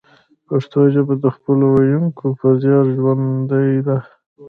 پښتو ژبه د خپلو ویونکو په زیار ژوندۍ ده